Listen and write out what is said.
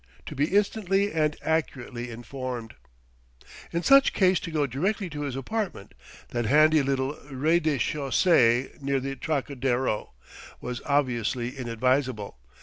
to be instantly and accurately informed. In such case to go directly to his apartment, that handy little rez de chaussée near the Trocadéro, was obviously inadvisable.